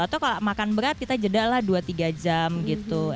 atau kalau makan berat kita jedalah dua tiga jam gitu